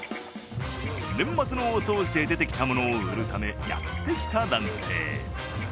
年末の大掃除で出てきたものを売るためやってきた男性。